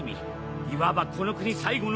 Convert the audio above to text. いわばこの国最後の希望。